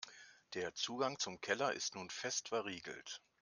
Der Zugang zum Keller ist nun fest verriegelt.